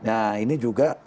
nah ini juga